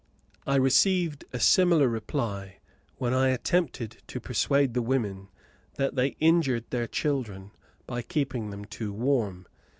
I received a similar reply when I attempted to persuade the women that they injured their children by keeping them too warm.